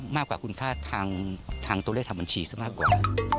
มากกว่าคุณค่าทางตัวเลขทางบัญชีซะมากกว่า